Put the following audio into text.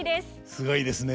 すごいですね。